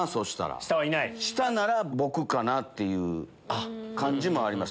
下なら僕かなって感じもあります